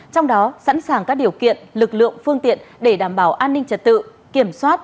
trong đó sẵn sàng các điều kiện lực lượng phương tiện để đảm bảo an ninh trật tự kiểm soát